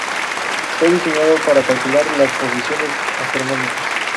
Fue diseñado para calcular las posiciones astronómicas.